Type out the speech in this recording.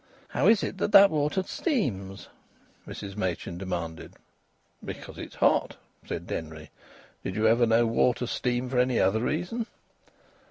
"How is it that that water steams?" Mrs Machin demanded. "Because it's hot," said Denry. "Did you ever know water steam for any other reason?"